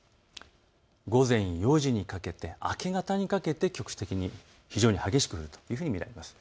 午前４時にかけて明け方にかけて局地的に非常に激しく降ると見られます。